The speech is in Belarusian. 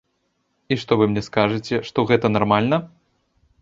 І што вы мне скажаце, што гэта нармальна?!